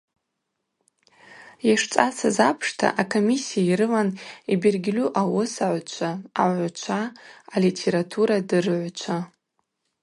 Йшцӏасыз апшта, акомиссия йрылан йбергьльу ауысагӏвчва, агӏвгӏвчва, алитературадырыгӏвчва.